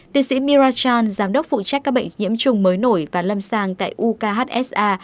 tiến sĩ mira chan giám đốc phụ trách các bệnh nhiễm trùng mới nổi và lâm sang tại ukhsa